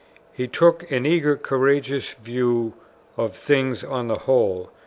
He took an eager courageous view of things on the whole.